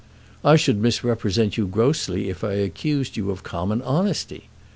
"I should misrepresent you grossly if I accused you of common honesty!"